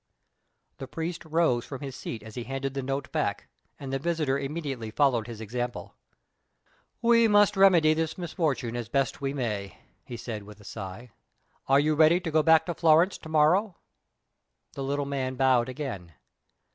The priest rose from his seat as he handed the note back, and the visitor immediately followed his example. "We must remedy this misfortune as we best may," he said, with a sigh. "Are you ready to go back to Florence to morrow?" The little man bowed again.